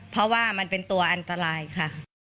เพราะว่ามันเป็นตัวอันตรายค่ะ